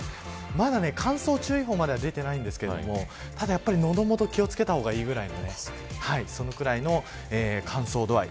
まだ乾燥注意報までは出ていないんですけれどもただ喉元気を付けた方がいいくらいの乾燥度合い。